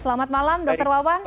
selamat malam dokter owen